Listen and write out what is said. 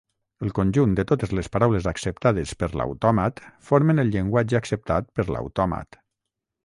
El conjunt de totes les paraules acceptades per l'autòmat formen el llenguatge acceptat per l'autòmat.